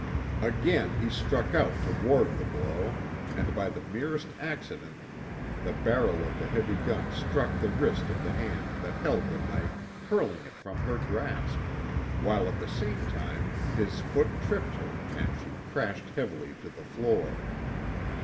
Again he struck out to ward the blow, and by the merest accident the barrel of the heavy gun struck the wrist of the hand that held the knife hurling it from her grasp, while at the same time his foot tripped her and she crashed heavily to the floor.